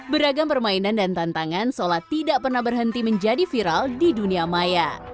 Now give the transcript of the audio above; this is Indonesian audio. beragam permainan dan tantangan seolah tidak pernah berhenti menjadi viral di dunia maya